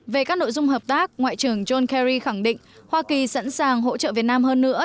về các nội dung hợp tác ngoại trưởng john kerry khẳng định hoa kỳ sẵn sàng hỗ trợ việt nam hơn nữa